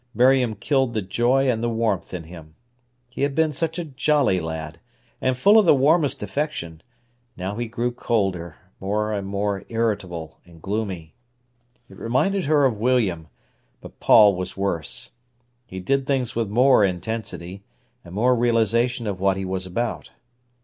Miriam killed the joy and the warmth in him. He had been such a jolly lad, and full of the warmest affection; now he grew colder, more and more irritable and gloomy. It reminded her of William; but Paul was worse. He did things with more intensity, and more realisation of what he was about.